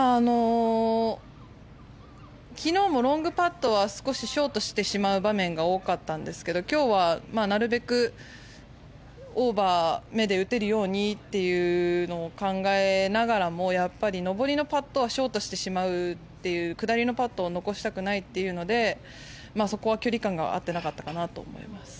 昨日もロングパットは少しショートしてしまう場面が多かったんですけど今日はなるべく、オーバーめで打てるようにというのを考えながらもやっぱり上りのパットはショートしてしまうという下りのパーパットを残してしまうというところでそこは距離感が合ってなかったかなと思います。